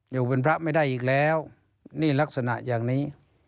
อยู่เป็นพระไม่ได้อีกแล้วนี่ลักษณะอย่างนี้